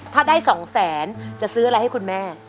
ถ้าได้๒แสนจะซื้ออะไรให้คุณแม่